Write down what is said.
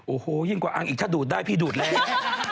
โอ้โหยิ่งกว่าอังอีกถ้าดูดได้พี่ดูดแรง